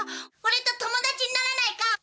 俺と友達にならないか？